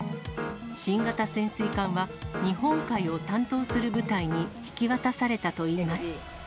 新型潜水艦は日本海を担当する部隊に引き渡されたといいます。